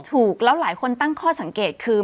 ถูกแล้วหลายคนตั้งข้อสังเกตคือ